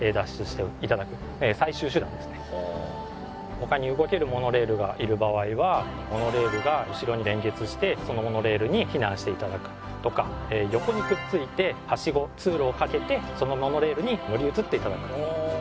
他に動けるモノレールがいる場合はモノレールが後ろに連結してそのモノレールに避難して頂くとか横にくっついてはしご通路をかけてそのモノレールに乗り移って頂く。